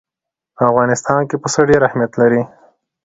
په افغانستان کې پسه ډېر اهمیت لري.